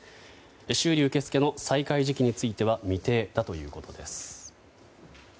修理受け付けの再開時期については未定だということです。